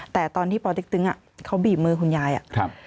แต่ตอนที่ปติ๊กตึ๊งเขาบีบมือคุณยายอะ